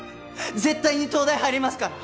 絶対に東大入りますから！